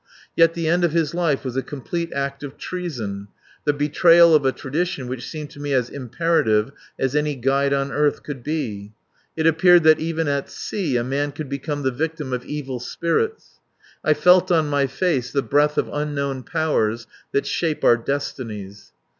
Yet the end of his life was a complete act of treason, the betrayal of a tradition which seemed to me as imperative as any guide on earth could be. It appeared that even at sea a man could become the victim of evil spirits. I felt on my face the breath of unknown powers that shape our destinies.